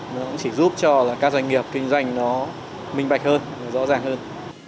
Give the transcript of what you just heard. nó cũng chỉ giúp cho các doanh nghiệp kinh doanh nó minh bạch hơn rõ ràng hơn